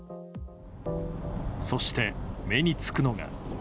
そして、目につくのが。